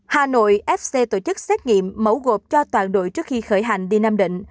hà nội fc tổ chức xét nghiệm mẫu gộp cho toàn đội trước khi khởi hành đi nam định